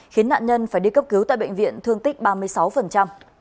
khiến nạn nhân phải đi cấp cứu tại bệnh viện thương tích ba mươi sáu